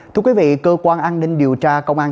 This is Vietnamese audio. thưa quý vị cơ quan an ninh điều tra công an